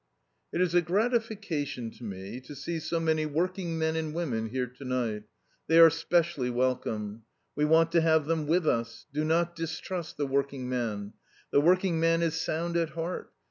"It is a gratification to me to see so many working men and women here to night. They are specially welcome. We want to have them with us. Do not distrust the working man. The working man is sound at heart.